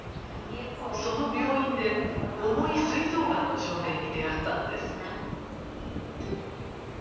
その病院で重いすい臓がんの少年に出会ったんです。